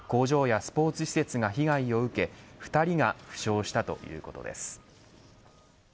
ドニプロでも工場やスポーツ施設が被害を受け２人が負傷したということです。